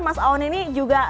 mas aun ini juga